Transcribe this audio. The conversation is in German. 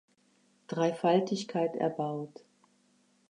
Dreifaltigkeit erbaut.